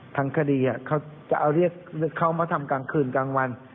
ทางคดีเขาจะเอาเรียกเขามาทำกลางคืนกลางวัน